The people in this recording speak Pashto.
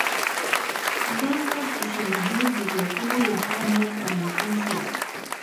دا ځواک د شاه محمود د ځواکونو له خوا مات او ناکام شو.